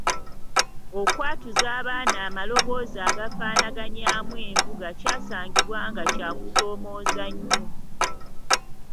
Okwatuza abaana amaloboozi agafaanaganyaamu envuga kyasangibwa nga kya kusoomooza nnyo.